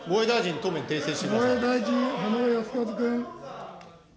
防衛大臣、浜田靖一君。